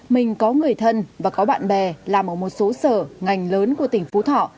mình có người thân và có bạn bè làm ở một số sở ngành lớn của tỉnh phú thọ